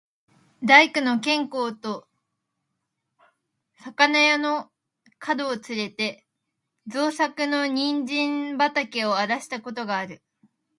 大工の兼公と肴屋の角をつれて、茂作の人参畠をあらした事がある。